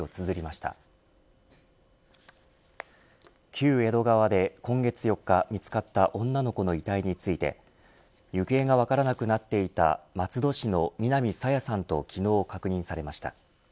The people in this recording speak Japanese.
旧江戸川で今月４日見つかった女の子の遺体について行方が分からなくなっていた松戸市の南朝芽さんと昨日確認されました。